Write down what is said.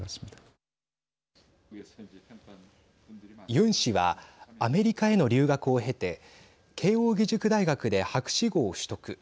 ユン氏はアメリカへの留学を経て慶應義塾大学で博士号を取得。